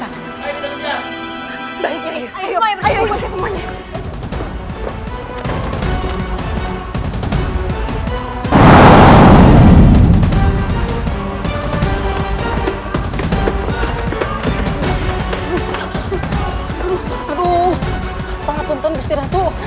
aduh apa gak kebunton bustir atuh